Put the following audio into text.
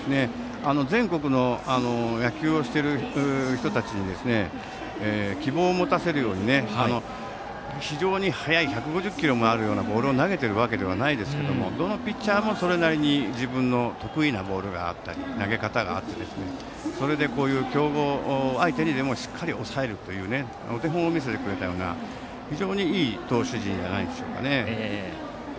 全国の野球をしている人たちに希望を持たせるように非常に速い１５０キロのボールを投げているわけではないですがどのピッチャーもそれなりに自分の得意なボールや投げ方がありそれで強豪相手にでもしっかり抑えるというお手本を見せてくれたような非常にいい投手陣でしたね。